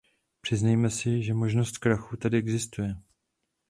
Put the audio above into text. Přiznejme si, že možnost krachu tady existuje.